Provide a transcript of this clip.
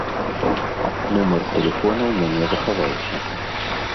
Нумар тэлефона ў мяне захаваўся.